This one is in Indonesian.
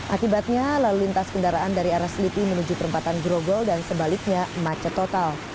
akibatnya lalu lintas kendaraan dari arah selipi menuju perempatan grogol dan sebaliknya macet total